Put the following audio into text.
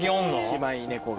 姉妹猫が。